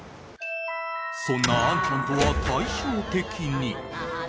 そんなアンちゃんとは対照的に。